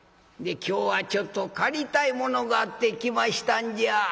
今日はちょっと借りたいものがあって来ましたんじゃ」。